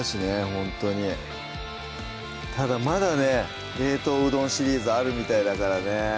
ほんとにただまだね冷凍うどんシリーズあるみたいだからね